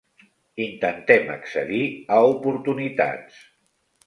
Intentem accedir a oportunitats.